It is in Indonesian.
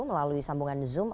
melalui sambungan zoom